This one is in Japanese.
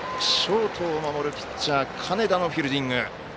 ショートを守るピッチャー金田のフィールディング。